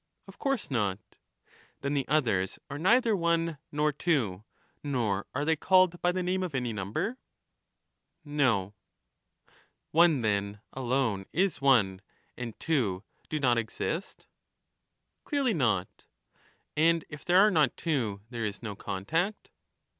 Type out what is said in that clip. Of course not. Then the others are neither one nor two, nor are they called by the name of any number? No. One, then, alone is one, and two do not exist ? Clearly not. And if there are not two, there is no contact ?